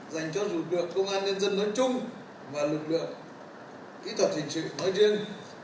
dành cho rủi ruột công an nhân dân nói chung và lực lượng kỹ thuật hình sự nói riêng